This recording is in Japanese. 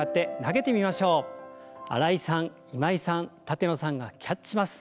新井さん今井さん舘野さんがキャッチします。